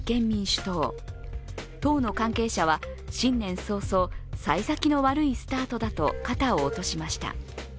党の関係者は新年早々、さい先の悪いスタートだと肩を落としました。